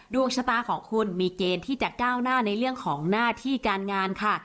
ดวงชะตาของคุณมีเกณฑ์ที่จะก้าวหน้าในเรื่องของหน้าที่การงานค่ะ